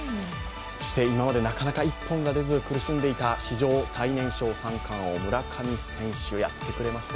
今までなかなか一本が出ず苦しんでいた史上最年少三冠王村上選手、やってくれました。